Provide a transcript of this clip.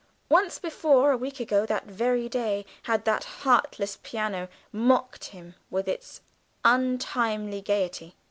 Once before, a week ago that very day, had that heartless piano mocked him with its untimely gaiety.